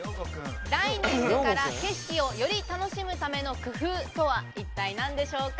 ダイニングから景色をより楽しむための工夫とは一体、何でしょうか？